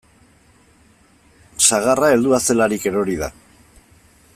Sagarra heldua zelarik erori da.